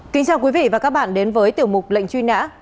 chào các bạn đến với tiểu mục lệnh truy nã